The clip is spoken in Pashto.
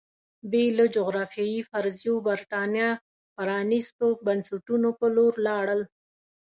بې له جغرافیوي فرضیو برېټانیا پرانېستو بنسټونو په لور لاړل